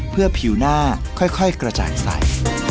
เพื่อผิวหน้าค่อยกระจายใส